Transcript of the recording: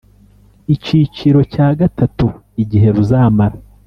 Icyiciro cya gatatu Igihe ruzamara